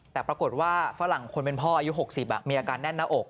แต่ปรากฏว่าฝรั่งคนเป็นพ่ออายุ๖๐มีอาการแน่นหน้าอก